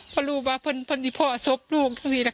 พ่อลูกว่าพ่อที่พ่อศพลูกทั้งทีแหละค่ะ